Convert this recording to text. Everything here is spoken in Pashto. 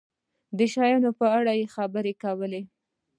د شیانو په اړه خبرې کول